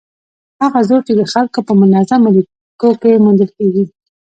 هغه زور چې د خلکو په منظمو لیکو کې موندل کېږي.